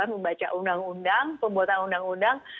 membaca undang undang pembuatan undang undang